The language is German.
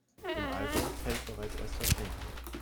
Im Allgäu fällt bereits erster Schnee.